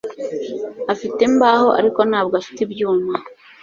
Afite imbaho ariko ntabwo afite ibyuma